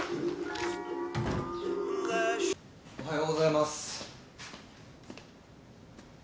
おはようございます。